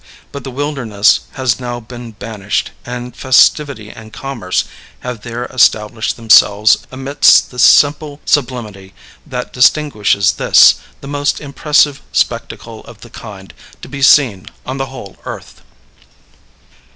But the wilderness has now been banished, and festivity and commerce have there established themselves amidst the simple sublimity that distinguishes this, the most impressive spectacle of the kind to be seen on the whole earth.